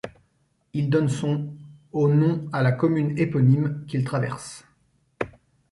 Il donne son au nom à la commune éponyme, qu'il traverse.